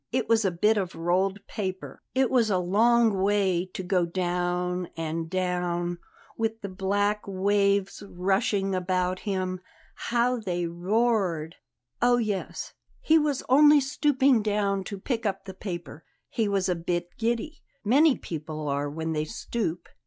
It was a bit of rolled paper. It was a long way to go down and down, with the black waves rushing about him how they roared ! Ah, yes! He was only stooping down to pick up the paper. He was a bit giddy; many people are when they stoop.